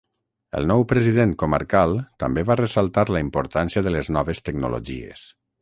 El nou president comarcal també va ressaltar la importància de les noves tecnologies.